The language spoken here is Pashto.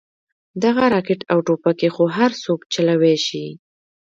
دغه راكټ او ټوپكې خو هرسوك چلوې شي.